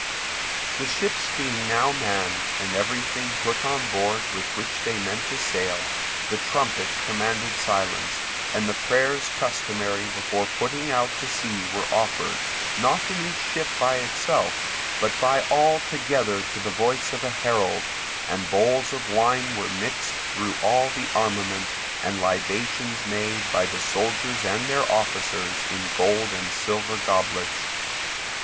The ships being now manned, and everything put on board with which they meant to sail, the trumpet commanded silence, and the prayers customary before putting out to sea were offered, not in each ship by itself, but by all together to the voice of a herald; and bowls of wine were mixed through all the armament, and libations made by the soldiers and their officers in gold and silver goblets.